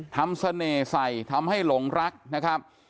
เสน่ห์ใส่ทำให้หลงรักนะครับ